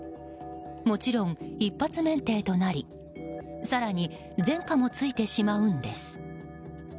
もちろん一発免停となり更に前科もついてしまうんです。